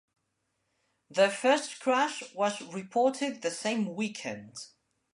Their first crash was reported the same weekend.